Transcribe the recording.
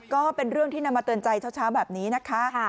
ก็เป็นเรื่องที่นำมาเตือนใจเช้าแบบนี้นะคะ